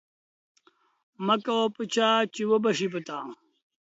مه کوه په چا چی اوبه شی په تا.